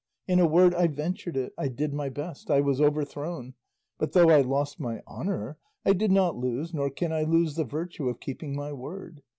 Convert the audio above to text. In a word, I ventured it, I did my best, I was overthrown, but though I lost my honour I did not lose nor can I lose the virtue of keeping my word.